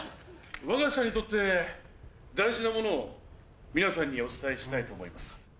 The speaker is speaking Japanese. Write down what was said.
わが社にとって大事なものを皆さんにお伝えしたいと思います。